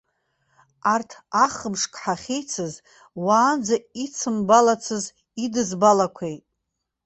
Арҭ ахымшк ҳахьеицыз уаанӡа идсымбалацыз идызбалақәеит.